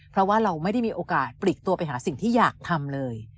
เพราะว่าเราไม่ได้มีโอกาสปลีกตัวไปหาสิ่งที่อยากทำเลย